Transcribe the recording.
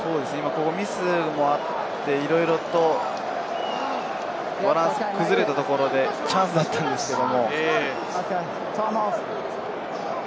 ミスもあっていろいろと、バランスが崩れたところでチャンスだったんですけれど。